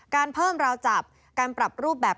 การเพิ่มราวจับการปรับรูปแบบ